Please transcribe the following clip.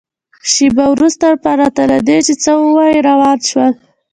شېبه وروسته پرته له دې چې څه ووایي روان شول.